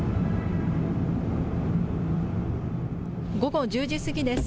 午後１０時過ぎです。